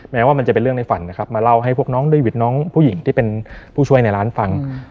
แม้ว่ามันจะเป็นเรื่องในฝันนะครับมาเล่าให้พวกน้องเดวิดน้องผู้หญิงที่เป็นผู้ช่วยในร้านฟัง